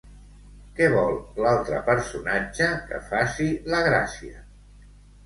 Què vol l'altre personatge que faci la Gràcia?